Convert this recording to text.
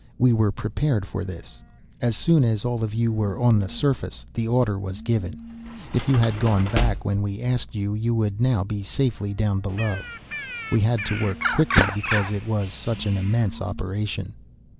We were prepared for this. As soon as all of you were on the surface, the order was given. If you had gone back when we asked you, you would now be safely down below. We had to work quickly because it was such an immense operation."